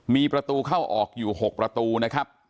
มีประตูเข้าออกอยู่๖ประตูนะครับ